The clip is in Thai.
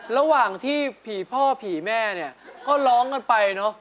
ระหว่างที่ผีพ่อผีแม่ก็ร้องกันไป